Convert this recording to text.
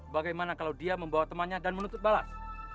bagaimana kalau dia membawa temannya dan menuntut balas